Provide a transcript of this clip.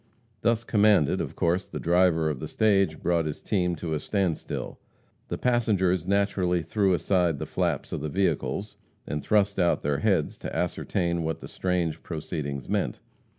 Thus commanded, of course the driver of the stage brought his team to a standstill. The passengers naturally threw aside the flaps of the vehicles and thrust out their heads to ascertain what the strange proceedings meant.